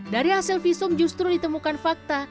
dari hasil visum justru ditemukan fakta